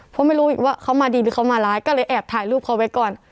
เพราะไม่รู้อีกว่าเขามาดีหรือเขามาร้ายก็เลยแอบถ่ายรูปเขาไว้ก่อน